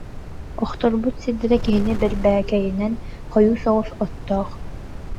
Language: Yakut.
Охторбут сирдэрэ киһини бэрбээкэйинэн хойуу соҕус оттоох